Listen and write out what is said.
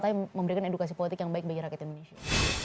tapi memberikan edukasi politik yang baik bagi rakyat indonesia